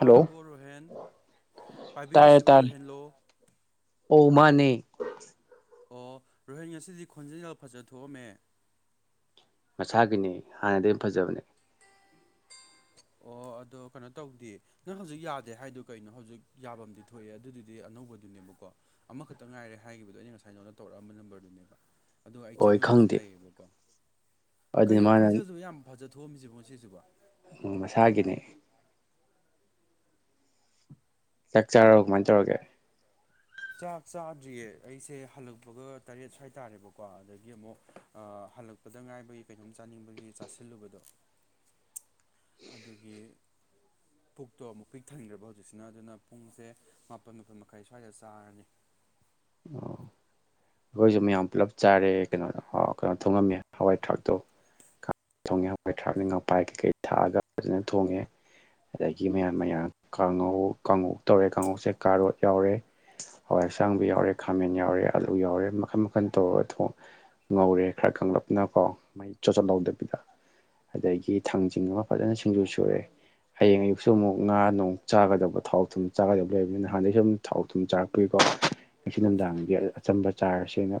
hello Rohen ꯇꯥꯔꯦ ꯄꯥꯏꯕꯤꯔꯤꯁꯤꯕꯨ ꯇꯥꯔꯦ ꯔꯣꯍꯦꯟꯂꯣ ꯑꯣ ꯃꯥꯅꯦ ꯑꯣ ꯔꯣꯍꯦꯟ ꯉꯁꯤꯗꯤ ꯈꯣꯟꯖꯦꯜꯒ ꯐꯖ ꯊꯣꯛꯑꯝꯃꯦ ꯃꯁꯥꯒꯤꯅꯦ ꯍꯥꯟꯅꯗꯩ ꯎꯝ ꯐꯖꯕꯅꯦ ꯑꯣ ꯑꯗꯣ ꯀꯩꯅꯣ ꯇꯧꯗꯦ ꯅꯪ ꯍꯧꯖꯤꯛ ꯌꯥꯗꯦ ꯍꯥꯏꯗꫭ ꯀꯩꯅꯣ ꯍꯧꯖꯤꯛ ꯌꯥꯐꯝꯝꯗꯤ ꯊꯣꯛꯑꯦ ꯑꯗꯨꯗꯨꯗꯤ ꯑꯅꯧꯕꯗꯨꯅꯦꯕꯀꯣ ꯑꯃꯈꯛꯇ ꯉꯥꯏꯔꯦ ꯍꯥꯏꯒꯤꯈꯤꯕꯗꯣ ꯑꯩꯅ ꯉꯁꯥꯏ ꯅꯪꯅ ꯇꯧꯔꯛꯑꯝꯕ ꯅꯝꯕꯔꯗꯨꯅꯦꯕ ꯑꯗꯨ ꯑꯩ ꯑꯣꯏ ꯆꯪꯉꯒꯁꯨ ꯈꯪꯗꯦ ꯂꯩꯌꯦꯕꯀꯣ ꯑꯗꯨꯅ ꯀꯩꯅꫭ ꯃꯥꯅ ꯈꫭꯟꯖꯤꯦꯜꯗꯨ ꯌꯥꯝ ꯐꯖ ꯊ ꯊꯣꯛꯑꯝꯃꯤꯁꯤꯕꯣ ꯉ ꯁꯤꯁꯤꯕ ꯃꯁꯥꯒꯤꯅꯤ ꯆꯥꯛ ꯆꯥꯔꯕꫭ ꯀꯃꯥꯏꯅ ꯇꯧꯔꯒꯦ ꯆꯥꯛ ꯆꯥꯗ꯭ꯔꯤꯌꯦ ꯑꯩꯁꯦ ꯍꯜꯂꯛꯄꯒ ꯇꯔꯦꯠ ꯁ꯭ꯋꯥꯏ ꯇꯥꯔꯦꯕꯀꯣ ꯑꯗꯒꯤ ꯑꯃꯨꯛ ꯍꯜꯂꯛꯄꯗ ꯉꯥꯏꯕꯒꯤ ꯀꯩꯅꯣꯝ ꯆꯥꯅꯤꯡꯕꯒꯤ ꯆꯥꯁꯤꯜꯂꯨꯕꯗꯣ ꯑꯗꯨꯒꯤ ꯄꯨꯛꯇꯣ ꯑꯃꯨꯛ ꯄꯤꯛ ꯊꯟꯈ꯭ꯔꯦꯕ ꯍꯧꯖꯤꯛꯁꯤꯅ ꯑꯗꯨꯅ ꯄꯨꯡꯁꯦ ꯃꯥꯄꯜ ꯃꯥꯄꯜ ꯃꯈꯥꯏ ꯁ꯭ꯋꯥꯏꯗ ꯆꯥꯔꯅꯤ ꯑꯣ ꯑꯩꯈꯣꯏꯁꯨ ꯃꯌꯥꯝ ꯄꯨꯂꯞ ꯆꯥꯔꯦ ꯀꯩꯅꯣꯗ ꯀꯩꯅꯣ ꯊꯣꯡꯉꯝꯃꯦ ꯍꯋꯥꯏ ꯊꯔꯥꯛꯇꯣ ꯊꯣꯡꯉꯦ ꯍꯋꯥꯏ ꯊꯔꯥꯛꯅꯦ ꯉꯥꯄꯥꯏ ꯀꯩꯀꯩ ꯊꯥꯛꯑꯒ ꯐꯖꯅ ꯊꯣꯡꯉꯦ ꯑꯗꯒꯤ ꯃꯌꯥꯟ ꯃꯌꯥꯟ ꯀꯥꯡꯉꯧ ꯀꯥꯡꯉꯧ ꯇꯧꯔꯦ ꯀꯥꯡꯉꯧꯁꯦ ꯀꯥꯔꯣꯠ ꯌꯥꯎꯔꯦ ꯍꯋꯥꯏ ꯑꯁꯥꯡꯕꯤ ꯌꯥꯎꯔꯦ ꯈꯥꯃꯦꯟ ꯌꯥꯎꯔꯦ ꯑꯂꯨ ꯌꯥꯎꯔꯦ ꯃꯈꯟ ꯃꯈꯟ ꯇꯧꯔ ꯊꫭꯡ ꯉꯧꯔꯦ ꯈꯔ ꯀꯪ ꯂꯞꯅ ꯀꯣ ꯃꯍꯤ ꯆꯣꯠ ꯆꯣꯠ ꯂꯥꯎꯗꯕ ꯕꯤꯗ ꯑꯗꯒꯤ ꯊꯥꯡꯖꯤꯡ ꯑꯃ ꯐꯖꯅ ꯁꯤꯡꯖꯨ ꯁꯨꯔꯦ ꯍꯌꯦꯡ ꯑꯌꯨꯛꯁꯨ ꯑꯃꯨꯛ ꯉꯥ ꯅꯨꯡ ꯆꯥꯒꯗꯕ ꯊꯥꯎ ꯊꯨꯝ ꯆꯥꯒꯗꯕ ꯂꯩꯕꯅꯤꯅ ꯅꯍꯥꯟꯗꯩꯁꯨꯝ ꯊꯥꯎ ꯊꯨꯝ ꯆꯥꯔꯛꯄꯤꯀꯣ ꯉꯁꯤ ꯅꯨꯡꯗꯥꯡꯗꯤ ꯑꯆꯝꯕ ꯆꯥꯔꯁꯦꯅ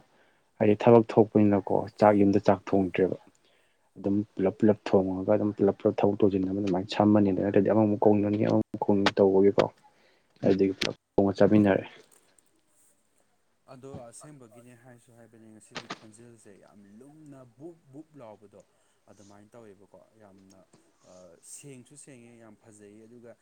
ꯍꯥꯏꯗꯤ ꯊꯕꯛ ꯊꯣꯛꯄꯅꯤꯅꯀꯣ ꯆꯥꯛ ꯌꯨꯝꯗ ꯆꯥꯛ ꯊꯣꯡꯗ꯭ꯔꯦꯕ ꯑꯗꯨꯝ ꯄꯨꯂꯞ ꯄꯨꯂꯞ ꯊꯣꯡꯉꯒ ꯑꯗꯨꯝ ꯄꯨꯂꯞ ꯄꯨꯂꯞ ꯊꯕꯛ ꯇꯧꯁꯤꯟ ꯑꯃ ꯑꯗꯨꯃꯥꯏꯅ ꯁꯝꯃꯅꯤ ꯑꯗꯨ ꯅꯠꯗꯇ꯭ꯔꯗꯤ ꯑꯃꯃꯨꯛ ꯀꯣꯡꯅꯅꯤ ꯑꯃꯃꯨꯛ ꯀꯣꯡꯅꯤ ꯇꯧꯕꯒꯤꯀꯣ ꯑꯗꯨꯗꯒꯤ ꯄꯨꯂꯞ ꯊꯣꯡꯉ ꯆꯠꯃꯤꯟꯅꯔꯦ ꯑꯗꯣ ꯑꯁꯦꯡꯕꯒꯤꯅꯦ ꯍꯥꯏꯁꯨ ꯍꯥꯏꯕꯅꯦ ꯉꯁꯤꯗꯤ ꯈꯣꯟꯖꯦꯜꯁꯦ ꯌꯥꯝ ꯂꯨꯝꯅ ꯕꯨꯛ ꯕꯨꯛ ꯂꯥꯎꯕꯗꯣ ꯑꯗꯨꯃꯥꯏꯅ ꯇꯧꯋꯦꯕꯀꯣ ꯌꯥꯝꯅ ꯑ ꯁꯦꯡꯁꯨ ꯁꯦꯡꯉꯦ ꯌꯥꯝ ꯐꯖꯩꯌꯦ ꯑꯗꯨꯒ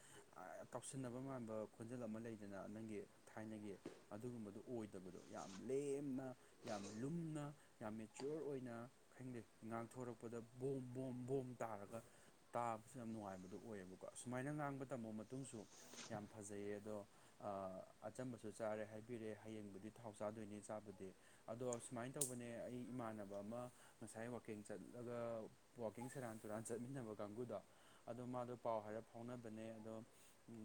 ꯇꯥꯎꯁꯤꯟꯅꯕ ꯃꯥꯟꯕ ꯈꯣꯟꯖꯦꯜ ꯑꯃ ꯂꯩꯗꯅ ꯅꯪꯒꯤ ꯊꯥꯏꯅꯒꯤ ꯑꯗꯨꯒꯨꯝꯕꯗꯣ ꯑꯣꯏꯗꯕꯗꯣ ꯌꯥꯝ ꯂꯦꯝꯅ ꯌꯥꯝ ꯂꯨꯝꯅ ꯌꯥꯝ ꯃꯦꯆ꯭ꯌꯣꯔ ꯑꯣꯏꯅ ꯈꯪꯗꯦ ꯉꯥꯡꯊꯣꯔꯛꯄꯗ ꯕꯣꯝ ꯕꯣꯝ ꯕꯣꯝ ꯇꯥꯔꯒ ꯇꯥꯕꯁꯨ ꯌꯥꯝ ꯅꯨꯡꯉꯥꯏꯕꯗꯣ ꯑꯣꯏꯌꯦꯕꯀꯣ ꯁꯁꯨꯃꯥꯏꯅ ꯉꯥꯡꯕ ꯇꯝꯃꫭ ꯃꯇꯨꯡꯁꯨ ꯌꯥꯝ ꯐꯖꯩꯌꯦ ꯑꯗꯣ ꯑꯆꯝꯕꯁꯨ ꯆꯥꯔꯦ ꯍꯥꯏꯕꯤꯔꯦ ꯍꯌꯦꯡꯕꯨꯗꯤ ꯊꯥꯎ ꯆꯥꯗꯣꯏꯅꯦ ꯆꯥꯕꯗꯤ ꯑꯗꯣ ꯁꯨꯃꯥꯏꯅ ꯇꯧꯕꯅꯦ ꯑꯩ ꯏꯃꯥꯟꯅꯕ ꯑꯃ ꯉꯁꯥꯏ ꯋꯥꯛꯀꯤꯡ ꯆꯠꯂꯒ ꯋꯥꯛꯀꯤꯡ ꯁꯦꯔꯥꯟ ꯆꯨꯔꯥꯟ ꯆꯠꯃꯤꯟꯅꯕ ꯀꯥꯡꯕꯨꯨꯗꯣ ꯑꯗꯣ ꯃꯥꯗꯣ ꯄꯥꯎ ꯍꯥꯏꯔ ꯐꯥꯎꯅꯕꯅꯦ ꯑꯗꯣ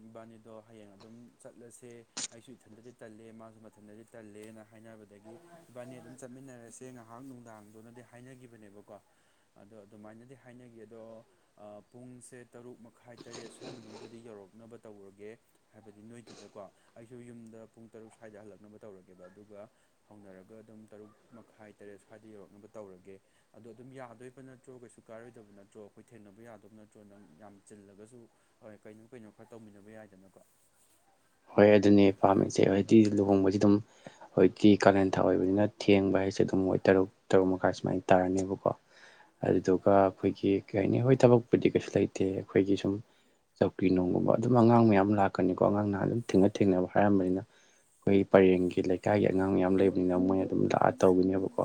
ꯏꯕꯥꯅꯤꯗꯣ ꯍꯌꯦꯡ ꯑꯗꯨꯝ ꯆꯠꯂꯁꯦ ꯑꯩꯁꯨ ꯏꯊꯟꯇꯗꯤ ꯇꯜꯂꯦ ꯃꯥꯁꯨ ꯃꯊꯟꯗꯗꯤ ꯇꯜꯂꯦꯅ ꯍꯥꯏꯅꯕꯗꯒꯤ ꯏꯕꯥꯅꯤ ꯑꯗꯨꯝ ꯆꯠꯃꯤꯟꯅꯔꯁꯦ ꯉꯥꯏꯍꯥꯛ ꯅꯨꯡꯗꯥꯡꯗꯣꯅꯗꯤ ꯍꯥꯏꯅꯈꯤꯕꯅꯦꯕꯀꯣ ꯑꯗꯣ ꯑꯗꯨꯃꯥꯏꯅꯗꯤ ꯍꯥꯏꯅꯈꯤ ꯑꯗꯣ ꯑ ꯄꯨꯡꯁꯦ ꯇꯔꯨꯛ ꯃꯈꯥꯏ ꯇꯔꯦꯠ ꯁ꯭ꯋꯥꯏ ꯃꯅꯨꯡꯗꯗꯤ ꯌꯧꯔꯛꯅꯕ ꯇꯧꯔꯒꯦ ꯍꯥꯏꯕꯗꯤ ꯅꯣꯏꯒꯤꯗꯨꯀꯣ ꯑꯩꯁꯨ ꯌꯨꯝꯗ ꯄꯨꯡ ꯇꯔꯨꯛ ꯁ꯭ꯋꯥꯏꯗ ꯍꯜꯂꯛ ꯅꯕ ꯇꯧꯔꯒꯦꯕ ꯑꯗꯨꯒ ꯍꯧꯅꯔꯒ ꯑꯗꯨꯝ ꯇꯔꯨꯛ ꯃꯈꯥꯏ ꯇꯔꯦꯠ ꯁ꯭ꯋꯥꯏꯗ ꯌꯧꯔꯛꯅꯕ ꯇꯧꯔꯒꯦ ꯑꯗꯣ ꯑꯗꯨꯝ ꯌꯥꯗꯣꯏꯕ ꯅꯠꯇ꯭ꯔꯣ ꯀꯩꯁꯨ ꯀꯥꯔꯣꯏꯗꯕ ꯅꯠꯇ꯭ꯔꯣ ꯑꯩꯈꯣꯏ ꯊꯦꯡꯅꯕ ꯌꯥꯗꯧꯕ ꯅꯠꯇ꯭ꯔꯣ ꯅꯪ ꯌꯥꯝ ꯆꯤꯜꯂꯒꯁꯨ ꯀꯩꯅꯣ ꯀꯩꯅꯣ ꯈꯔ ꯇꯧꯃꯤꯟꯅꯕ ꯌꯥꯏꯗꯅꯀꯣ ꯍꯣꯏ ꯑꯗꯨꯅꯦ ꯄꯥꯝꯃꯤꯁꯦ ꯍꫭꯏꯇꯤ ꯂꯨꯍꯣꯡꯕꯁꯤ ꯗꯨꯝ ꯍꯧꯖꯤꯛꯇꯤ ꯀꯥꯂꯦꯟꯊꯥ ꯑꯣꯏꯕꯅꯤꯅ ꯊꯦꯡꯕ ꯍꯥꯏꯁꯦ ꯑꯗꯨꯝ ꯃꯣꯏ ꯇꯔꯨꯛ ꯇꯔꯨꯛ ꯃꯈꯥꯏ ꯁꯨꯃꯥꯏꯅ ꯇꯥꯔꯅꯦꯕꯀꯣ ꯑꯗꯨꯗꯨꯒ ꯑꯩꯈꯣꯏꯒꯤ ꯀꯩ ꯍꯥꯏꯅꯤ ꯍꯣꯏ ꯊꯕꯛꯄꯨꯗꯤ ꯀꯩꯁꯨ ꯂꯩꯇꯦ ꯑꯩꯈꯣꯏꯒꯤ ꯁꯨꯝ ꯆꯧꯀ꯭ꯔꯤ ꯅꯨꯡꯒꯨꯝꯕ ꯑꯗꯨꯝ ꯑꯉꯥꯡ ꯃꯌꯥꯝ ꯂꯥꯛꯀꯅꯤꯀꯣ ꯑꯉꯥꯡꯅꯍ ꯑꯗꯨꯝ ꯊꯦꯡꯅ ꯊꯦꯡꯅꯕ ꯍꯥꯏꯔꯝꯕꯅꯤꯅ ꯑꯩꯈꯣꯏ ꯄꯔꯦꯡꯒꯤ ꯂꯩꯀꯥꯏꯒꯤ ꯑꯉꯥꯡ ꯃꯌꯥꯝ ꯂꯩꯕꯅꯤꯅ ꯃꯣꯏꯅ ꯑꯗꯨꯝ ꯂꯥꯛꯑ ꯇꯧꯒꯅꯦꯕꯀꯣ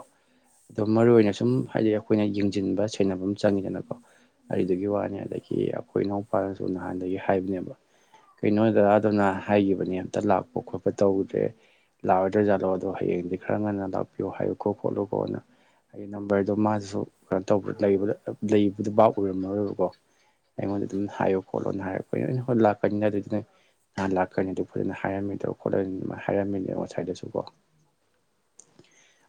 ꯑꯗꯣ ꯃꯔꯨ ꯑꯣꯏꯅ ꯁꯨꯝ ꯍꯥꯏꯗꯤ ꯑꯩꯈꯣꯏꯅ ꯌꯦꯡꯁꯤꯟꯕ ꯁꯦꯟꯅꯕ ꯑꯝ ꯆꯪꯉꯤꯗꯅꯀꯣ ꯑꯗꯨꯗꯨꯒꯤ ꯋꯥꯅꯤ ꯑꯗꯒꯤ ꯑꯩꯈꯣꯏ ꯏꯅꯥꯎꯄꯥꯅꯁꯨ ꯅꯍꯥꯟꯗꯒꯤ ꯍꯥꯏꯕꯅꯦꯕ ꯀꯩꯅꯣ ꯗꯗꯥꯗꯨꯅ ꯍꯥꯏꯈꯤꯕꯅꯦ ꯑꯝꯇ ꯂꯥꯛꯄ ꯈꯣꯠꯄ ꯇꯧꯗ꯭ꯔꯦ ꯂꯥꯛꯑꯣꯏꯗꫭꯏꯖꯥꯠꯂꯣ ꯑꯗꯣ ꯍꯌꯦꯡꯗꯤ ꯈꯔ ꯉꯟꯅ ꯂꯥꯛꯄꯤꯌꯣ ꯍꯥꯏꯌꯨꯀꯣ ꯈꯣꯠꯂꯨ ꯈꯣꯠꯀꫭꯅ ꯑꯩꯒꯤ ꯅꯝꯕꯔꯗꯣ ꯃꯥꯁꯨ ꯀꯩꯅꯣ ꯇꯧꯕꯕ ꯂꯩꯕꯗꯨ ꯕꯥꯞ ꯑꯣꯏꯔꯝꯃꯔꯣꯏꯕꯀꯣ ꯑꯩꯉꯣꯟꯗ ꯑꯗꯨꯝ ꯍꯥꯏꯌꯨ ꯈꯣꯠꯂꯣꯅ ꯍꯥꯏꯔꯛꯄꯣꯏ ꯅ ꯍ ꯈꯪꯅ [unintelligible] ꯅꯍꯥꯟ ꯂꯥꯛ ꯐꯖꯅ ꯍꯥꯏꯔꯝꯃꯤꯗ ꯈꯣꯠꯂ ꯑꯗꯨꯃꯥꯏꯅ ꯍꯥꯏꯔꯝꯃꯤꯅꯦ ꯉꯁꯥꯏꯗꯁꯨꯀꯣ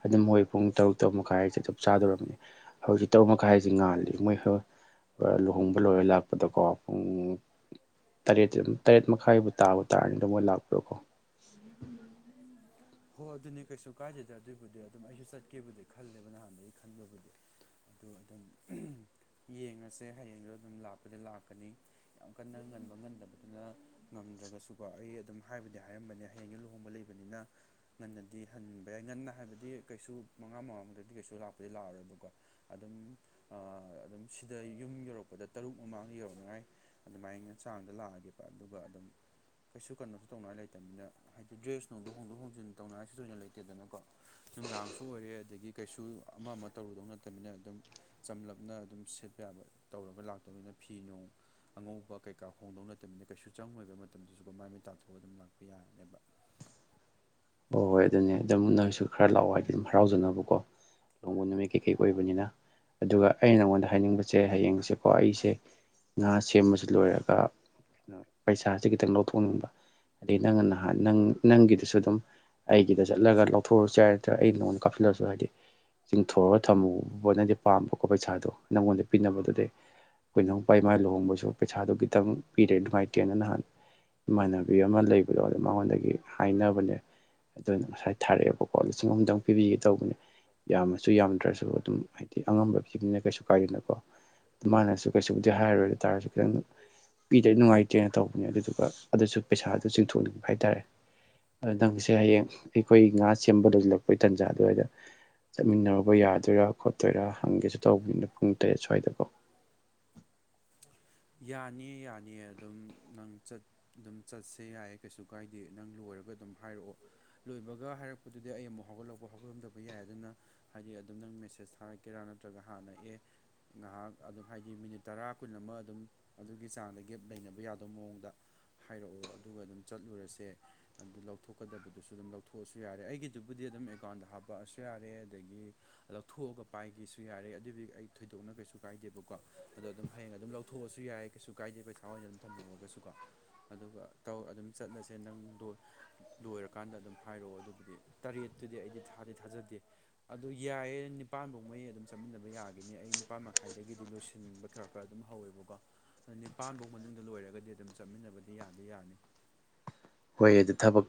ꯑꯗ ꯃꯣꯏ ꯄꯨꯡ ꯇꯔꯨꯛ ꯇꯔꯨꯛ ꯃꯈꯥꯏ ꯍꯥꯏꯁꯦ ꯑꯗꯨꯝ ꯆꯞ ꯆꯥꯗꯧꯔꯕꯅꯤ ꯍꯧꯖꯤꯛ ꯇꯔꯨꯛ ꯃꯈꯥꯏꯁꯤ ꯉꯥꯜꯂꯤ ꯃꯣꯏ ꯂꯨꯍꯣꯡꯕ ꯂꯣꯏꯔ ꯂꯥꯛꯄꯗꯀꯣ ꯄꯨꯡ ꯇꯔꯦꯠꯇꯤ ꯑꯗꯨꯝ ꯇꯔꯦꯠ ꯃꯈꯥꯏꯕꯨ ꯇꯥꯕ ꯇꯥꯔꯅꯤꯗ ꯃꯣꯏ ꯂꯥꯛꯄꯗꯀꯣ ꯍꯣꯏ ꯑꯗꯨꯅꯤ ꯀꯩꯁꯨ ꯀꯥꯏꯗꯦꯗꯦ ꯑꯗꯨꯒꯤꯕꯨꯗꯤ ꯑꯗꯨꯝ ꯑꯩꯁꯨ ꯆꯠꯀꯦꯕꯨꯗꯤ ꯈꯜꯂꯦꯕ ꯅꯍꯥꯟꯗꯒꯤꯗꯒꯤ ꯈꯟꯕꯕꯨꯗꯤ ꯑꯗꯨ ꯑꯗꯨꯝ ꯑꯍꯝ ꯌꯦꯡꯉꯁꯦ ꯍꯌꯦꯡꯗꫭ ꯑꯗꯨꯝ ꯂꯥꯛꯄꯗꯤ ꯂꯥꯛꯀꯅꯤ ꯌꯥꯝ ꯀꯟꯅ ꯉꯟꯕ ꯉꯟꯗꯕꯗꯨꯅ ꯉꯝꯗ꯭ꯔꯒꯁꯨꯀꯣ ꯑꯩ ꯑꯗꯨꯝ ꯍꯥꯏꯕꯗꯤ ꯍꯥꯏꯔꯝꯕꯅꯦ ꯍꯌꯦꯡꯗꯨ ꯂꯨꯍꯣꯡꯕ ꯂꯩꯕꯅꯤꯅ ꯉꯟꯅꯗꯤ ꯍꯟꯕ ꯌꯥꯏ ꯉꯟꯅ ꯍꯥꯏꯕꯗꯤ ꯀꯩꯁꯨ ꯃꯉꯥ ꯃꯃꯥꯡꯗꯗꯤ ꯀꯩꯁꯨ ꯂꯥꯛꯄꯗꯤ ꯂꯥꯛꯑꯔꯣꯏꯕꯀꯣ ꯑꯗꯨꯝ ꯑꯗꯨꯝ ꯁꯤꯗ ꯌꯨꯝ ꯌꯧꯔꯛꯄꯗ ꯇꯔꯨꯛ ꯃꯃꯥꯡꯗ ꯌꯧꯔꯛꯅꯉꯥꯏ ꯑꯗꯨꯃꯥꯏ ꯆꯥꯡꯗ ꯂꯥꯛꯑꯒꯦꯕ ꯑꯗꯨꯒ ꯑꯗꯨꯝ ꯀꯩꯁꯨ ꯀꯩꯅꯣꯁꯨ ꯇꯧꯅꯉꯥꯏ ꯂꯩꯇꯕꯅꯤꯅ ꯍꯥꯏꯗꯤ ꯗ꯭ꯔꯦꯁ ꯅꯨꯡꯗꯣ ꯍꯣꯡꯗꯣꯛ ꯍꯣꯡꯖꯤꯟ ꯇꯧꯅꯉꯥꯏꯁꯨ ꯊꫭꯏꯅ ꯂꯩꯇꯦꯗꯅꯀꯣ ꯅꯨꯡꯗꯥꯡꯁꯨ ꯑꯣꯏꯔꯦ ꯑꯗꯒꯤ ꯀꯩꯁꯨ ꯑꯃ ꯑꯃ ꯇꯧꯔꯨꯗꯧ ꯅꯠꯇꯝꯅꯤꯅ ꯑꯗꯨꯝ ꯆꯝꯂꯞꯅ ꯑꯗꯨꯝ ꯁꯦꯠꯄ ꯌꯥꯕ ꯇꯧꯔꯒ ꯂꯥꯛꯇꯧꯅꯤꯅ ꯐꯤ ꯅꯨꯡ ꯑꯉꯧꯕ ꯀꯩꯀꯥ ꯍꯣꯡꯗꯧ ꯅꯠꯇꯕꯅꯤꯅ ꯀꯩꯁꯨ ꯆꯪꯉꯣꯏꯕ ꯃꯇꯝꯗꯁꯨ ꯑꯗꯨꯝ ꯃꯥꯏ ꯃꯤꯠ ꯇꯥꯊꯣꯛꯑ ꯑꯗꯨꯝ ꯂꯥꯛꯄ ꯌꯥꯔꯅꯦꯕ ꯍꯣꯏ ꯍꯣꯏ ꯑꯗꯨꯅꯦ ꯑꯗꯨꯝ ꯅꯪꯁꯨ ꯈꯔ ꯂꯥꯛꯑꯣ ꯍꯥꯏꯗꯤ ꯑꯗꯨꯝ ꯍꯔꯥꯎꯖꯅꯕꯀꯣ ꯂꯣꯡꯒꯣ ꯅꯨꯃꯤꯠ ꯀꯩꯀꯩ ꯑꯣꯏꯕꯅꯤꯅ ꯑꯗꯨꯒ ꯑꯩꯅ ꯅꯉꯣꯟꯗ ꯍꯥꯏꯅꯤꯡꯕꯁꯦ ꯍꯌꯦꯡꯁꯦꯀꯣ ꯑꯩꯁꯦ ꯉꯥ ꯁꯦꯝꯕꯕꯁꯤ ꯂꯣꯏꯔꯒ ꯄꯩꯁꯥꯁꯦ ꯈꯤꯇꯪ ꯂꯧꯊꯣꯛꯅꯤꯡꯕ ꯑꯗꯩ ꯅꯪꯅ ꯅꯍꯥꯟ ꯅ ꯅꯪꯒꯤꯗꯨꯁꯨ ꯑꯗꯨꯝ ꯑꯩꯒꯤꯗ ꯆꯠꯂꯒ ꯂꯧꯊꯣꯛꯣꯔꯁꯨ ꯌꯥꯏꯔꯠꯇ꯭ꯔꯥ ꯑꯩ ꯅꯣꯡ ꯀꯥꯞꯁꯤꯜꯂꯁꯨ ꯍꯥꯏꯗꯤ ꯆꯤꯡꯊꯣꯔꯒ ꯊꯝꯃꯨꯕꯅꯗꯤ ꯄꯥꯝꯕꯀꯣ ꯄꯩꯁꯥꯗꯣ ꯅꯪꯉꯣꯟꯗ ꯄꯤꯅꯕꯗꯨꯗꯤ ꯑꯩꯈꯣꯏ ꯅꯎꯄꯥ ꯏꯃꯥꯏ ꯂꯨꯍꯣꯡꯕꯁꯨ ꯄꯩꯁꯥꯗꯣ ꯈꯤꯇꯪ ꯄꯤꯔꯦ ꯅꯨꯡꯉꯥꯏꯇꯦꯅ ꯅꯍꯥꯟ ꯏꯃꯥꯟꯅꯕꯤ ꯑꯃ ꯂꯩꯕꯗꯣ ꯑꯗꯨ ꯃꯉꯣꯟꯗꯒꯤ ꯍꯥꯏꯅꯕꯅꯦ ꯑꯗꯨꯅ ꯉꯁꯥꯏ ꯊꯥꯔꯛꯑꯦꯕꯀꯣ ꯂꯤꯁꯤꯡ ꯑꯍꯨꯝꯗꯪ ꯄꯤꯕꯤꯒꯦ ꯇꯧꯕꯅꯦ ꯌꯥꯝꯃꯁꯨ ꯌꯥꯝꯗ꯭ꯔꯁꯨ ꯑꯗꯨꯝ ꯍꯥꯏꯗꯤ ꯑꯉꯝꯕ ꯄꯤꯕꯅ ꯀꯩꯁꯨ ꯀꯥꯏꯗꯦꯅꯀꯣ ꯑꯗꯨ ꯃꯥꯅꯁꯨ ꯀꯩꯁꯨꯕꯨꯗꯤ ꯍꯥꯏꯔꯣꯏ ꯗꯨ ꯇꯥꯔꯁꯨ ꯈꯤꯇꯪ ꯄꯤꯗꯗꯤ ꯅꯨꯡꯉꯥꯏꯇꯦꯅ ꯇꯧꯕꯅꯦ ꯑꯗꯨꯗꯨꯒ ꯑꯗꯨꯁꯨ ꯄꯩꯁꯥꯗ ꯆꯤꯡꯊꯣꯛꯅꯤꯡꯕ ꯍꯥꯏꯇꯥꯔꯦ ꯑꯗꯨꯗ ꯅꯪꯒꯤꯁꯦ ꯍꯌꯦꯡ ꯑꯩ ꯈꫭꯏ ꯉꯥ ꯁꯦꯝꯕ ꯗꯧꯁꯤꯜꯂꯛꯄꯩ ꯇꯥꯟꯖꯥ ꯑꯗꯨꯋꯥꯏꯗ ꯆꯠꯃꯤꯟꯅꯔꯨꯕ ꯌꯥꯗꯣꯏꯔꯥ ꯈꯣꯠꯇꯣꯏꯔꯥ ꯍꯪꯒꯦꯁꯨ ꯇꯧꯕꯅ ꯄꯨꯡ ꯇꯔꯦꯠ ꯁ꯭ꯋꯥꯏꯗꯀꯣ ꯌꯥꯅꯤꯌꯦ ꯌꯥꯅꯤꯌꯦ ꯑꯗꯨꯝ ꯅꯪ ꯑꯗꯨꯝ ꯆꯠꯁꯦ ꯌꯥꯏꯌꯦ ꯀꯩꯁꯨ ꯀꯥꯏꯗꯦ ꯅꯪ ꯂꯣꯏꯔꯒ ꯑꯗꯨꯝ ꯍꯥꯏꯔꯛꯑꯣ ꯂꯣꯏꯕꯒ ꯍꯥꯏꯔꯛꯄꯗꯨꯗꯤ ꯑꯩ ꯑꯃꯨꯛ ꯍꯧꯒꯠꯂꯛꯄ ꯍꯧꯒꯠꯂꯝꯗꯕ ꯌꯥꯏ ꯑꯗꯨꯅ ꯍꯥꯏꯗꯤ ꯑꯗꯨꯝ ꯅꯪ ꯃꯦꯁꯦꯁ ꯊꯥꯔꯛꯀꯦꯔꯥ ꯅꯠꯇ꯭ꯔꯒ ꯍꯥꯟꯅ ꯑꯦ ꯉꯥꯏꯍꯥꯛ ꯑꯗꯨꯝ ꯍꯥꯏꯗꯤ ꯃꯤꯅꯤꯠ ꯇꯔꯥ ꯀꯨꯟ ꯑꯃ ꯑꯗꯨꯝ ꯑꯗꯨꯒꯤ ꯆꯥꯡꯗ ꯒꯦꯞ ꯂꯩꯅꯕ ꯌꯥꯕꯒꯤ ꯃꯑꯣꯡꯗ ꯍꯥꯏꯔꯛꯑꯣ ꯑꯗꯨꯒ ꯑꯗꯨꯝ ꯆꯠꯂꯨꯔꯁꯦ ꯑꯗꯨ ꯂꯧꯊꯣꯛꯀꯗꯕꯗꯨꯁꯨ ꯑꯗꯨꯝ ꯂꯧꯊꯣꯛꯑꯁꯨ ꯌꯥꯔꯦ ꯑꯩꯒꯤꯗꯨꯕꯨꯗꯤ ꯑꯗꯨꯝ ꯑꯦꯀꯥꯎꯟꯗ ꯍꯥꯞꯄꯛꯑꯁꯨ ꯌꯥꯔꯦ ꯑꯗꯒꯤ ꯂꯧꯊꯣꯛꯑꯒ ꯄꯥꯏꯒꯦꯁꯨ ꯌꯥꯔꯦ ꯑꯗꯨꯗꯤ ꯑꯩ ꯊꯣꯏꯗꯣꯛꯅ ꯀꯩꯁꯨ ꯀꯥꯏꯗꯦꯕꯀꯣ ꯑꯗꯣ ꯑꯗꯨꯝ ꯍꯌꯦꯡ ꯑꯗꯨꯝ ꯂꯧ ꯊꯣꯛꯑꯁꯨ ꯌꯥꯏ ꯀꯩꯁꯨ ꯀꯥꯏꯗꯦ ꯄꯩꯁꯥ ꯑꯣꯏꯅ ꯑꯗꯨꯝ ꯊꯝꯍꯧꯔꯒꯁꯨꯀꯣ ꯑꯗꯨꯒ ꯇꯧ ꯑꯗꯨꯝ ꯆꯠꯂꯁꯦ ꯅꯪꯗꫭ ꯂꯣꯏꯔꯀꯥꯟꯗ ꯑꯗꯨꯝ ꯍꯥꯏꯔꯛꯑꯣ ꯑꯗꯨꯕꯨꯗꯤ ꯇꯔꯦꯠꯇꯨꯗꯤ ꯑꯩꯗꯤ ꯊꯥꯗꯤ ꯊꯥꯖꯗꯦ ꯑꯗꯨꯗꯣ ꯌꯥꯏꯌꯦ ꯅꯤꯄꯥꯥꯟꯗꫭ ꯅꯪ ꯑꯗꯨꯝ ꯆꯠꯃꯤꯟꯅꯕ ꯌꯥꯈꯤꯅꯤ ꯑꯩ ꯅꯤꯄꯥꯥꯟ ꯃꯈꯥꯏꯗꯒꯤꯗꯤ ꯂꯣꯏꯁꯤꯟꯕ ꯈꯔ ꯈꯔ ꯑꯗꯨꯝ ꯍꯧꯋꯦꯕꯀꯣ ꯅꯤꯄꯥꯥꯟ ꯐꯧ ꯃꯅꯨꯡꯗ ꯂꯣꯏꯔꯒꯗꯤ ꯑꯗꯨꯝ ꯆꯠꯃꯤꯟꯅꯕꯗꯤ ꯌꯥꯗꯤ ꯌꯥꯅꯤ ꯍꯣꯏ ꯑꯗꯨ ꯊꯕꯛ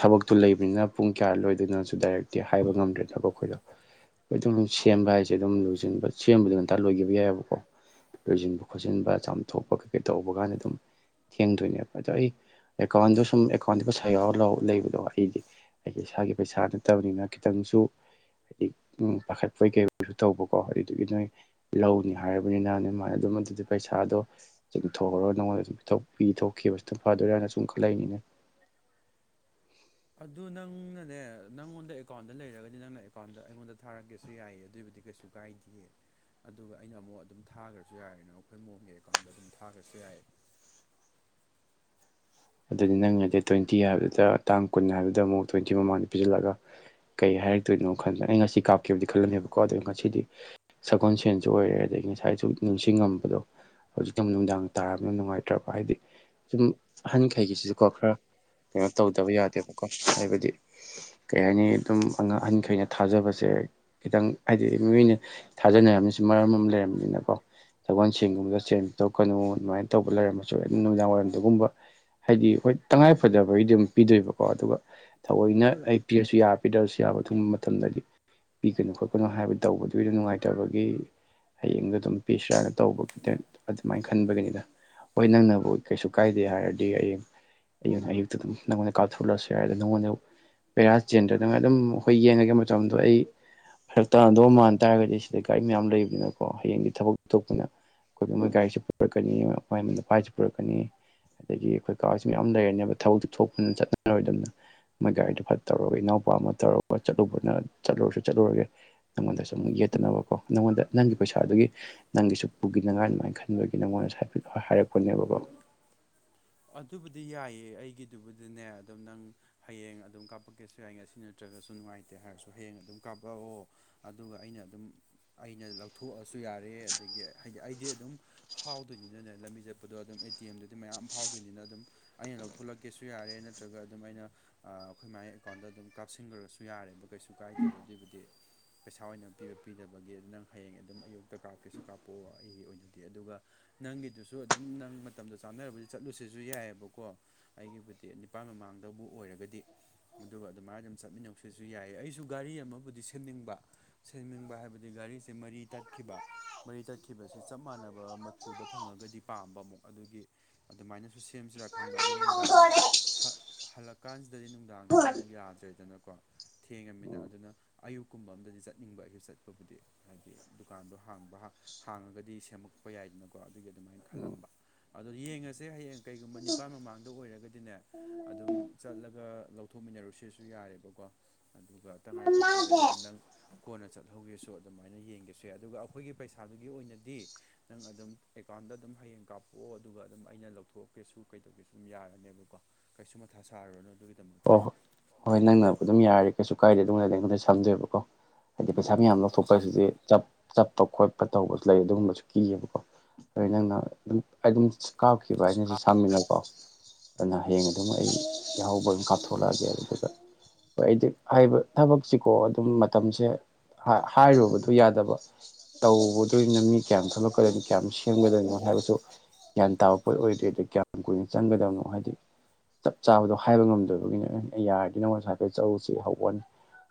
ꯊꯕꯛꯇꯨ ꯂꯩꯕꯅꯤꯅ ꯄꯨꯡ ꯀꯌꯥ ꯂꯣꯏꯗꯣꯏꯅꯁꯨ ꯗꯥꯏꯔꯦꯛꯇꯤ ꯍꯥꯏꯕ ꯉꯝꯗ꯭ꯔꯦ ꯊꯕꯛ ꯑꯩꯈꯣꯏꯗꯣ ꯑꯩꯈꯣꯏ ꯑꯗꯨꯝ ꯁꯦꯝꯕ ꯍꯥꯏꯁꯦ ꯑꯗꯨꯝ ꯂꫭꯏꯁꯤꯟꯕ ꯁꯦꯝꯕꯗ ꯉꯟꯇ ꯂꯣꯏꯈꯤꯕ ꯌꯥꯏꯑꯕꯀꯣ ꯂꯣꯏꯁꯤꯟꯕ ꯈꯣꯠꯆꯤꯟꯕ ꯆꯥꯝꯊꯣꯛꯄ ꯀꯩꯀꯥ ꯇꯧꯕ ꯀꯥꯟꯗ ꯑꯗꯨꯝ ꯊꯦꯡꯗꯣꯏꯅꯦꯕ ꯑꯗꯣ ꯑꯩ ꯑꯦꯀꯥꯎꯟꯗ ꯁꯨꯝ ꯑꯦꯀꯥꯎꯟꯗ ꯄꯩꯁꯥ ꯌꯥꯎꯔ ꯂ ꯂꯩꯕꯗꯣ ꯑꯩꯗꯤ ꯑꯩꯗꯤ ꯏꯁꯥꯒꯤ ꯄꯩꯁꯥ ꯅꯠꯇꯕꯅꯤꯅ ꯈꯤꯇꯪꯁꯨ ꯍꯥꯏꯗꯤ ꯄꯥꯈꯠꯄꯩ ꯀꯩ ꯑꯣꯏꯁꯨ ꯇꯧꯕꯀꯣ ꯑꯗꯨꯗꯨꯒꯤ ꯅꯣꯏ ꯂꯧꯅꯤ ꯍꯥꯏꯔꯕꯅꯤꯅ ꯅꫭꯏꯃꯥꯅ ꯑꯗꯨꯝ ꯑꯗꯨꯗꯤ ꯄꯩꯁꯥꯗꯣ ꯆꯤꯡꯊꯣꯛꯍꯩꯔ ꯅꯪꯉꯣꯟꯗ ꯑꯗꯨꯝ ꯄꯤꯊꫭꯛ ꯄꯤ ꯊꯣꯛꯈꯤꯕꯁꯨ ꯑꯗꯨꯝ ꯐꯗꯣꯏꯔꯥꯅ ꯁꯨꯝ ꯈꯜꯂꯛ ꯏꯅꯤꯅꯦ ꯑꯗꯨ ꯅꯪꯅꯅꯦ ꯅꯪꯉꯣꯟꯗ ꯑꯦꯀꯥꯎꯟꯗ ꯂꯩꯔꯒꯗꯤ ꯅꯪꯅ ꯑꯦꯀꯥꯎꯟꯗ ꯑꯩꯉꯣꯟꯗ ꯊꯥꯔꯒꯦꯁꯨ ꯌꯥꯏꯌꯦ ꯑꯗꯨꯏꯕꯨꯗꯤ ꯀꯩꯁꯨ ꯀꯥꯏꯗꯦ ꯑꯗꯨꯒ ꯑꯩꯅ ꯑꯃꯨꯛ ꯑꯗꯨꯝ ꯊꯥꯈ꯭ꯔꯁꯨ ꯌꯥꯔꯦꯅ ꯑꯩꯈꯣꯏ ꯃꯥꯝꯒꯤ ꯑꯦꯀꯥꯎꯟꯗ ꯑꯗꯨꯝ ꯊꯥꯈ꯭ꯔꯁꯨ ꯌꯥꯏ ꯑꯗꯨꯗꯤ ꯅꯪꯅꯗꯤ ꯇ꯭ꯋꯦꯟꯇꯤ ꯍꯥꯏꯕꯗꯨꯗ ꯇꯥꯡ ꯀꯨꯟ ꯍꯥꯏꯕꯗꯨꯗ ꯑꯃꯨꯛ ꯇ꯭ꯋꯦꯟꯇꯤ ꯃꯃꯥꯡꯗ ꯄꯤꯁꯤꯜꯂꯒ ꯀꯩ ꯍꯥꯏꯔꯛꯇꯣꯏꯅꯣ ꯈꯟꯗ ꯑꯩ ꯉꯁꯤ ꯀꯥꯞꯀꯦꯕꯗꯤ ꯈꯜꯂꯅꯦꯕꯀꯣ ꯑꯗꯨ ꯉꯁꯤꯗꯤ ꯁꯒꯣꯜ ꯁꯦꯟꯁꯨ ꯑꯣꯏꯔꯦ ꯑꯗꯒꯤ ꯉꯁꯥꯏꯁꯨ ꯅꯤꯡꯁꯤꯡꯉꯝꯕꯗꯣ ꯍꯧꯖꯤꯛꯇ ꯅꯨꯡꯗꯥꯡ ꯇꯥꯔꯕꯅ ꯅꯨꯡꯉꯥꯏꯇ꯭ꯔꯕ ꯍꯥꯏꯗꯤ ꯁꯨꯝ ꯑꯍꯟꯈꯩꯒꯤꯁꯤꯁꯨꯀꯣ ꯈꯔ ꯀꯩꯅꯣ ꯇꯧꯗꯕ ꯌꯥꯗꯦꯕꯀꯣ ꯍꯥꯏꯕꯗꯤ ꯀꯩ ꯍꯥꯏꯅꯤ ꯑꯗꯨꯝ ꯑꯉꯥꯡ ꯑꯍꯟꯈꯩꯅ ꯊꯥꯖꯕꯁꯦ ꯈꯤꯇꯪ ꯍꯥꯏꯗꯤ ꯃꯤꯑꯣꯏꯅ ꯊꯥꯖꯅꯔꯝꯃꯤꯁꯨ ꯃꯔꯝ ꯑꯃ ꯂꯩꯔꯕꯅꯤꯅꯀꯣ ꯁꯒꯣꯜ ꯁꯦꯟꯒꯨꯝꯕꯗ ꯁꯦꯝꯦꯟ ꯇꯧꯀꯅꯨ ꯑꯗꯨꯃꯥꯏꯅ ꯇꯧꯕ ꯂꯩꯔꯝꯃꯁꯨ ꯑꯗꯨꯝ ꯅꯨꯃꯤꯗꯥꯡ ꯋꯥꯏꯔꯝꯗꯒꯨꯝꯕ ꯍꯥꯏꯗꯤ ꯍꯣꯏ ꯇꯉꯥꯏꯐꯗꯕꯒꯤꯗꯤ ꯑꯗꯨꯝ ꯄꯤꯗꯣꯏꯕꯀꯣ ꯑꯗꯨꯒ ꯊꯑꯣꯏꯅ ꯑꯩ ꯄꯤꯔꯁꯨ ꯌꯥ ꯄꯤꯗꯔꯁꯨ ꯌꯥꯕ ꯑꯗꯨꯒꯨꯝꯕ ꯃꯇꯝꯗꯗꯤ ꯄꯤꯒꯅꯨ ꯈꯣꯠꯀꯅꯨ ꯍꯥꯏꯕ ꯇꯧꯕꯗꯨꯒꯤꯗ ꯅꯨꯡꯉꯥꯏꯇꯕꯒꯤ ꯍꯌꯦꯡꯗꯣ ꯑꯗꯨꯝ ꯄꯤꯁꯤꯔꯥꯅ ꯇꯧꯕꯒꯤꯗ ꯑꯗꯨꯃꯥꯏꯅ ꯈꯟꯕꯒꯤꯅꯤꯅ ꯍꯣꯏ ꯅꯪꯅꯕꯨ ꯀꯩꯁꯨ ꯀꯥꯏꯗꯦ ꯍꯥꯏꯔ ꯑꯌ ꯑꯌꯨꯛꯇ ꯅꯉꯣꯟꯗ ꯀꯥꯞꯊꯣꯔꯂꯛꯂꯁꯨ ꯌꯥꯏ ꯑꯗ ꯅꯉꯣꯟꯗ ꯄꯦꯔꯥ ꯆꯦꯟꯗꯗ ꯑꯗꯨꯝ ꯑꯩꯈꯣꯏ ꯌꯦꯡꯉꯒ ꯃꯇꯝꯗꯣ ꯑꯩ ꯍ ꯇꯣ ꯃꯥꯟ ꯇꯥꯔꯕꯗꯤ ꯁꯤꯗ ꯀꯒꯥꯔꯤ ꯃꯌꯥꯝ ꯂꯩꯕꯅꯤꯅ ꯀꯣ ꯍꯌꯦꯡꯗꯤ ꯊꯕꯛꯇ ꯇꯄꯅ ꯑꯩꯈꯣꯏꯒꯤ ꯃꯣꯏ ꯒꯥꯔꯤꯁꯤ ꯄꯨꯔꯛꯀꯅꯤ ꯃꯣꯏꯅꯄꯥꯥꯏꯁꯤ ꯄꯨꯔꯛꯀꯅꯤ ꯑꯗꯒꯤ ꯑꯩꯈꯣꯏ ꯀꯥꯁꯤ ꯃꯌꯥꯝ ꯂꯩꯔꯅꯦꯕ ꯊꯕꯛꯇꯨ ꯊꯣꯛꯄꯅ ꯆꯠꯅꯔꯣꯏꯗꯕꯅ ꯃꯣꯏ ꯒꯥꯔꯤꯗꯣ ꯐꯠ ꯇꯧꯔꯒ ꯏꯅꯥꯎꯄꯥ ꯑꯃ ꯇꯧꯔꯒ ꯆꯠꯂꯨꯕꯅ ꯆꯠꯂꯨꯔꯁꯨ ꯆꯠꯂꯨꯔꯒꯦ ꯅꯪꯉꯣꯟꯗꯁꯨ ꯑꯃꯨꯛ ꯌꯦꯠꯇꯅꯕꯀꯣ ꯅꯪꯉꯣꯟꯗ ꯅꯪꯒꯤ ꯄꯩꯁꯥꯗꯨꯒꯤ ꯅꯪꯒꯤꯁꯨ ꯄꯨꯈꯤꯅꯉꯥꯏ ꯑꯗꯨꯃꯥꯏꯅ ꯈꯟꯕꯒꯤ ꯅꯪꯉꯣꯟꯗꯐ ꯍꯥꯏꯔꯛꯄꯅꯦꯕꯀꯣ ꯑꯗꯨꯕꯨꯗꯤ ꯌꯥꯏꯑ ꯑꯩꯒꯤꯗꯨꯕꯨꯗꯤꯅꯦ ꯑꯗꯨꯝ ꯅꯪ ꯍꯌꯦꯡ ꯑꯗꯨꯝ ꯀꯥꯞꯄꯛꯀꯦꯁꯨ ꯌꯥꯏ ꯑꯁꯤ ꯅꯠꯇ꯭ꯔꯒꯁꯨ ꯅꯨꯡꯉꯥꯏꯇꯦ ꯍꯥꯏꯔꯁꯨ ꯍꯌꯦꯡ ꯑꯗꯨꯝ ꯀꯥꯞꯄꯛꯑꯣ ꯑꯗꯨꯒ ꯑꯩꯅ ꯑꯗꯨꯝ ꯑꯩꯅ ꯂꯧꯊꯣꯛꯑꯁꯨ ꯁꯨ ꯌꯥꯔꯦ ꯑꯗꯒꯤ ꯑꯩꯗꯤ ꯑꯗꯨꯝ ꯐꯥꯎꯗꯣꯏꯅꯤꯅꯅꯦ ꯂꯝꯕꯤ ꯆꯠꯄꯗꯣ ꯑꯗꯨꯝ ꯑꯦ ꯇꯤ ꯑꯦꯝꯗꯗꯤ ꯃꯌꯥꯝ ꯐꯥꯎꯗꯣꯏꯅꯤꯅ ꯑꯗꯨꯝ ꯑꯩꯅ ꯂꯧꯊꯣꯛꯂꯛꯀꯦꯁꯨ ꯌꯥꯔꯦ ꯅꯠꯇ꯭ꯔꯒ ꯑꯗꯨꯝ ꯑꯩꯅ ꯑꯩꯈꯣꯏ ꯃꯥꯒꯤ ꯑꯦꯀꯥꯎꯟꯗ ꯑꯗꯨꯝ ꯀꯥꯞꯁꯤꯟꯈ꯭ꯔꯁꯨ ꯌꯥꯔꯦꯕ ꯀꯩꯁꯨ ꯀꯥꯏꯗꯦꯕ ꯑꯗꯨꯒꯤꯕꯨꯗꯤ ꯄꯩꯁꯥ ꯑꯣꯏꯅ ꯄꯤꯕ ꯄꯤꯗꯕꯒꯤ ꯑꯗꯨ ꯅꯪ ꯍꯌꯦꯡ ꯑꯗꯨꯝ ꯑꯌꯨꯛꯇ ꯀꯥꯞꯀꯦꯁꯨ ꯀꯥꯞꯄꯛꯑꯣ ꯑꯩꯒꯤ ꯑꯣꯏꯅꯗꯤ ꯑꯗꯨꯒ ꯅꯪꯒꯤꯗꯨꯁꯨ ꯑꯗꯨꯝ ꯅꯪ ꯃꯇꯝꯗ ꯆꯥꯅꯔꯕ ꯆꯠꯂꯨꯁꯤꯁꯨ ꯌꯥꯏꯑꯕꯀꯣ ꯑꯩꯒꯤꯕꯨꯗꯤ ꯅꯤꯄꯥꯥꯟ ꯃꯃꯥꯡꯗꯕꯨ ꯑꯣꯏꯔꯒꯗꯤ ꯑꯗꯨꯒ ꯑꯗꯨꯃꯥꯏꯅ ꯑꯗꯨꯝ ꯆꯠꯃꯤꯟꯅꯧꯁꯤꯁꯨ ꯌꯥꯏ ꯑꯩꯁꯨ ꯒꯥꯔꯤ ꯑꯃꯕꯨꯗꯤ ꯁꯦꯝꯅꯤꯡꯕ ꯁꯦꯝꯅꯤꯡꯕ ꯍꯥꯏꯕꯗꯤ ꯒꯥꯔꯤꯁꯦ ꯃꯔꯤ ꯇꯠꯈꯤꯕ ꯃꯔꯤ ꯇꯠꯈꯤꯕꯁꯤ ꯆꯞ ꯃꯥꯟꯅꯕ ꯃꯆꯨꯗ ꯐꯪꯉꯒꯗꯤ ꯄꯥꯝꯕ ꯑꯃꯨꯛ ꯑꯗꯨꯒꯤ ꯑꯗꯨꯃꯥꯏꯅꯁꯨ ꯁꯦꯝꯁꯤꯔꯥ ꯈꯟꯕ ꯑꯗꯨ ꯅꯨꯡꯗꯥꯡ ꯍꯜꯂꯛꯀꯥꯟꯁꯤꯗꯗꯤ ꯅꯨꯡꯗꯥꯡꯗꯗꯤ ꯑꯃꯨꯛ ꯌꯥꯗ꯭ꯔꯦꯗꯅꯀꯣ ꯊꯦꯡꯉꯃꯤꯅ ꯎꯝ ꯑꯗꯨꯅ ꯑꯌꯨꯛꯀꯨꯝꯕ ꯑꯝꯗꯗꯤ ꯆꯠꯅꯤꯡꯕ ꯑꯁꯨ ꯆꯠꯄꯕꯨꯗꯤ ꯍꯥꯏꯗꯤ ꯗꯨꯀꯥꯟꯗꯣ ꯍꯥꯡꯕ ꯍꯥꯡꯉꯒꯗꯤ ꯁꯦꯝꯃꯛꯄ ꯌꯥꯏꯗꯅꯀꯣ ꯑꯗꯨꯒꯤ ꯑꯗꯨꯃꯥꯏꯅ ꯎꯝ ꯈꯜꯂꯝꯕ ꯑꯗꯣ ꯌꯦꯡꯉꯁꯤ ꯁꯦ ꯍꯌꯦꯡ ꯀꯩꯒꯨꯝꯕ ꯅꯤꯄꯥꯜ ꯃꯃꯥꯡꯗ ꯑꯣꯏꯔꯒꯗꯤꯅꯦ ꯑꯗꯨꯝ ꯆꯠꯂꯒ ꯂꯧꯊꯣꯛꯃꯤꯟꯅꯔꯨꯁꯤꯁꯨ ꯌꯥꯔꯦꯕꯀꯣ ꯑꯗꯨꯒ ꯇꯉꯥꯏ ꯐꯗ꯭ꯔꯒꯗꯤ ꯑꯗꯨꯝ ꯅꯪ ꯀꯣꯟꯅ ꯆꯠꯍꯧꯒꯦꯁꯨ ꯑꯗꯨꯃꯥꯏꯅ ꯌꯦꯡꯒꯦꯁꯨ ꯌꯥꯏ ꯑꯗꯨꯒ ꯑꯩꯈꯣꯏꯒꯤ ꯄꯩꯁꯥꯗꯨꯒꯤ ꯑꯣꯏꯅꯗꯤ ꯅꯪ ꯑꯗꯨꯝ ꯑꯦꯀꯥꯎꯟꯗ ꯑꯗꯨꯝ ꯍꯌꯦꯡ ꯀꯥꯞꯄꯣꯛꯑꯣ ꯑꯗꯨꯒ ꯑꯗꯨꯝ ꯑꯩꯅ ꯂꯧꯊꯣꯛꯑꯀꯦꯁꯨ ꯀꯩꯗꯧꯒꯦꯁꯨ ꯑꯗꯨꯝ ꯌꯥꯔꯅꯦꯕꯀꯣ ꯀꯩꯁꯨ ꯃꯊꯥ ꯁꯥꯔꯨꯔꯅꯣ ꯑꯗꯨꯒꯤꯗ ꯍꯣꯏ ꯍꯣꯏ ꯍꯣꯏ ꯅꯪꯅꯕ ꯑꯗꯨꯝ ꯌꯥꯔꯦ ꯀꯩꯁꯨ ꯀꯥꯏꯗꯦ ꯑꯗꯨꯝꯅꯗ ꯑꯩꯉꯣꯟꯗ ꯁꯝꯗꯣꯏꯕꯀꯣ ꯍꯥꯏꯗꯤ ꯄꯩꯁꯥ ꯃꯌꯥꯝ ꯂꯧꯊꯣꯛꯄ ꯍꯥꯏꯁꯤꯗꯤ ꯆꯞ ꯆꯠꯄ ꯈꯣꯠꯄ ꯇꯧꯕꯁꯨ ꯂꯩ ꯑꯗꯨꯒꯨꯝꯕꯁꯨ ꯀꯤꯌꯦꯕꯀꯣ ꯑ ꯅꯪꯅ ꯑꯗꯨꯝ ꯑꯗꯨꯝ ꯀꯥꯞꯈꯤꯕ ꯍꯥꯏꯅꯤꯁꯨ ꯁꯥꯟꯃꯤꯟꯅ ꯀꯥꯎ ꯑꯗꯨꯅ ꯍꯌꯦꯡ ꯑꯗꯨꯝ ꯑꯩ ꯌꯥꯍꯧꯕ ꯑꯗꯨꯝ ꯀꯥꯞ ꯊꯣꯛꯂꯛꯑꯒꯦ ꯑꯗꯨꯒ ꯍꯣꯏꯗꯤ ꯍꯥꯏꯕ ꯊꯕꯛꯁꯤꯀꯣ ꯑꯗꯨꯝ ꯃꯇꯝꯁꯦ ꯍꯥꯏꯔꯨꯕꯗ ꯁꯨ ꯌꯥꯗꯕ ꯇꯧꯗꯣꯅ ꯃꯤ ꯀꯌꯥꯝ ꯊꯣꯛꯂꯛꯀꯗꯣꯏꯅꯤ ꯀꯌꯥꯝ ꯁꯦꯝꯒꯗꯣꯏꯅꯣ ꯍꯥꯏꯕꯁꯨ ꯒ꯭ꯌꯥꯟ ꯇꯥꯕ ꯄꯣꯠ ꯑꯣꯏꯗꯦ ꯑꯗ ꯀꯌꯥꯝ ꯀꯨꯏꯅ ꯆꯪꯒꯗꯕꯅꯣ ꯍꯥꯏꯗꯤ ꯆꯞ ꯆꯥꯕꯗꯣ ꯍꯥꯏꯕ ꯉꯝꯗꯣꯏꯕ ꯑꯗꯨꯒꯤꯅ ꯌꯥꯔꯗꯤ ꯅꯉ ꯉꯁ ꯍꯥꯏꯐꯣꯏ ꯆꯔꯨꯁꯤ ꯍꯧꯛꯅꯤ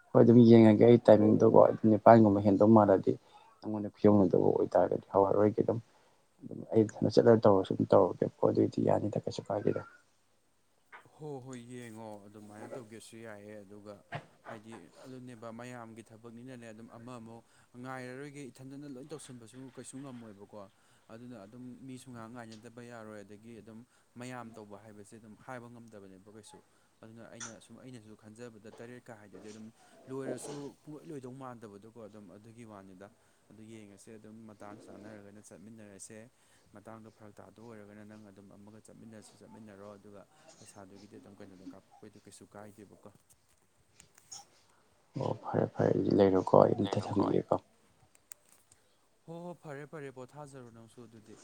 ꯍꯣꯏ ꯑꯗꯨꯝ ꯌꯦꯡꯉꯒꯦ ꯑꯩ ꯇꯥꯏꯃꯤꯡꯗꯨꯣꯀꯣ ꯑꯗꯨꯝ ꯅꯤꯄꯥꯟꯒꯨꯝꯕ ꯍꯦꯟꯗꯧ ꯃꯥꯜꯂꯗꯤ ꯅꯉꯣꯟꯗ ꯐꯤꯌꯧꯅꯗꯕ ꯑꯣꯏꯇꯥꯔꯒꯗꯤ ꯍꯋꯥꯏꯔꯣꯏꯒꯤ ꯑꯗꯨꯝ ꯑꯗꯨꯝ ꯑꯩ ꯆꯠꯂ ꯇꯧꯔ ꯁꯨꯝ ꯇꯧꯔꯒꯦꯕꯣ ꯑꯗꯨꯑꯣꯏꯗꯤ ꯌꯥꯅꯤꯗ ꯀꯩꯁꯨ ꯀꯥꯏꯒꯦꯗ ꯍꯣꯏ ꯍꯣꯏ ꯌꯦꯡꯉꯣ ꯑꯗꯨꯃꯥꯏꯅ ꯇꯧꯒꯦꯁꯨ ꯌꯥꯏꯑꯦ ꯑꯗꯨꯒ ꯍꯥꯏꯗꯤ ꯑꯗꯨꯅꯦꯕ ꯃꯌꯥꯝꯒꯤ ꯊꯕꯛꯅꯤꯅꯅꯦ ꯑꯗꯨꯝ ꯑꯃ ꯑꯃꯛ ꯉꯥꯏꯔꯔꯣꯏꯒꯦ ꯏꯊꯟꯗꯅ ꯂꯣꯏ ꯇꯧꯁꯟꯕꯁꯨ ꯀꯩꯁꯨ ꯉꯝꯃꯣꯏꯕꯀꯣ ꯑꯗꯨꯅ ꯑꯗꯨꯝ ꯃꯤꯁꯨ ꯉꯥꯏꯍꯥꯛ ꯉꯥꯏꯅꯗꯕ ꯌꯥꯔꯣꯏ ꯑꯗꯒꯤ ꯑꯗꯨꯝ ꯃꯌꯥꯝ ꯇꯧꯕ ꯍꯥꯏꯕꯁꯦ ꯑꯗꯨꯝ ꯍꯥꯏꯕ ꯉꯝꯗꯕꯅꯦꯕ ꯀꯩꯁꯨ ꯑꯗꯨꯅ ꯑꯩꯅ ꯁꯨꯝ ꯑꯩꯅꯁꯨ ꯈꯟꯖꯕꯗ ꯇꯔꯦꯠꯀ ꯍꯥꯏꯗꯨꯗꯤ ꯑꯗꯨꯝ ꯂꯣꯏꯔꯁꯨ ꯄꯨꯣꯏ ꯂꯣꯏꯗꯧ ꯃꯥꯟꯗꯦ ꯐꯠꯇꯕꯗꯣꯀꯣ ꯑꯗꯨꯝ ꯑꯗꯨꯒꯤ ꯋꯥꯅꯤꯗ ꯑꯗꯨ ꯌꯦꯡꯉꯁꯦ ꯑꯗꯨꯝ ꯃꯇꯥꯡ ꯆꯥꯅꯔꯒꯅ ꯆꯠꯃꯤꯟꯅꯔꯁꯦ ꯃꯇꯥꯡꯗꯣ ꯐꯔꯛ ꯇꯥꯗ ꯑꯣꯏꯔꯒꯅ ꯅꯪ ꯑꯗꯨꯝ ꯑꯃꯒ ꯆꯠꯃꯤꯟꯅꯔꯁꯨ ꯆꯠꯃꯤꯟꯅꯔꯣ ꯑꯗꯨꯒ ꯄꯩꯁꯥꯗꯨꯒꯤꯗꯤ ꯑꯗꯨꯝ ꯀꯩꯅꯣꯗꯣ ꯀꯥꯞꯄꯣꯛꯄꯩꯗꯣ ꯀꯩꯁꯨ ꯀꯥꯏꯗꯦꯕꯀꯣ ꯑꯣ ꯐꯔꯦ ꯐꯔꯦꯗꯤ ꯂꯩꯔꯝ ꯀꯠꯇ ꯆꯪ ꯂꯩꯔꯣꯀꯣ ꯑꯩ ꯀꯣ ꯍꯣ ꯍꯣ ꯐꯔꯦ ꯐꯔꯦ ꯄꯣꯊꯥꯖꯔꯨ ꯅꯪꯁꯨ ꯑꯗꯨꯗꯤ